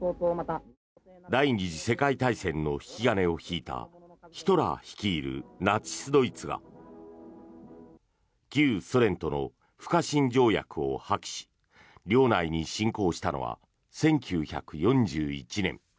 第２次世界大戦の引き金を引いたヒトラー率いるナチス・ドイツが旧ソ連との不可侵条約を破棄し領内に侵攻したのは１９４１年。